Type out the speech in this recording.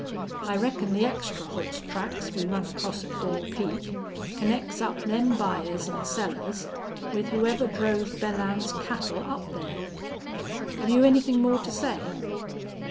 I reckon the extra hoss tracks we run across at Gore Peak connects up them buyers an' sellers with whoever drove Belllounds's cattle up thar.... Have you anythin' more to say?"